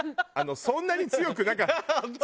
そんなに強くなかった。